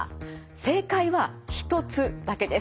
正解は１つだけです。